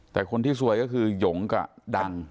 แต่คนที่สวยก็คือยก่ะดัง